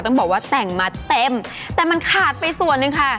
ต้องบอกว่าแต่งมาเต็มแต่มันขาดไปส่วนหนึ่งค่ะ